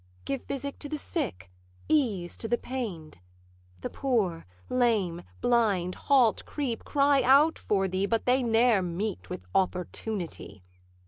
Give physic to the sick, ease to the pain'd? The poor, lame, blind, halt, creep, cry out for thee; But they ne'er meet with Opportunity.